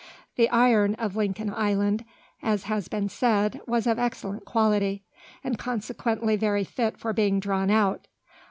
The iron of Lincoln Island, as has been said, was of excellent quality, and consequently very fit for being drawn out.